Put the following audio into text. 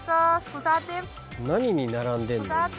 何に並んでんの？